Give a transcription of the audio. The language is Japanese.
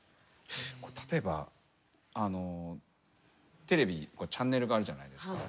例えばあのテレビのチャンネルがあるじゃないですか。